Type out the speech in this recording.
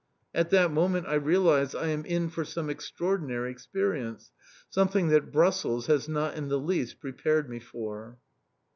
At that moment I realise I am in for some extraordinary experience, something that Brussels has not in the least prepared me for!